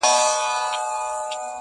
چي په لاسونو كي رڼا وړي څوك؛